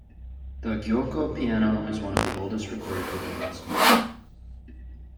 The Giuoco Piano is one of the oldest recorded openings.